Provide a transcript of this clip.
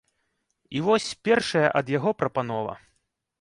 І вось першая ад яго прапанова.